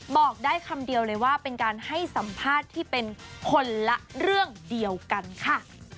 บอกได้คำเดียวเลยว่าเป็นการให้สัมภาษณ์ที่เป็นคนละเรื่องเดียวกันค่ะ